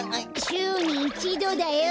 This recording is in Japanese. しゅうに１どだよ！